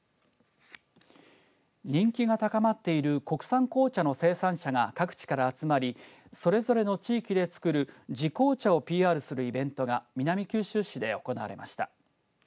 人気が高まっている国産紅茶の生産者が各地から集まりそれぞれの地域で作る地紅茶をＰＲするイベントが南九州市で行われました。